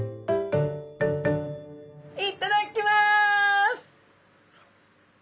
いっただっきます！